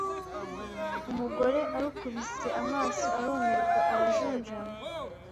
Umugore arukubise amaso arumirwa arajunjama